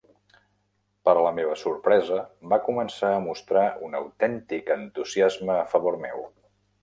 Per a la meva sorpresa, va començar a mostrar un autèntic entusiasme a favor meu.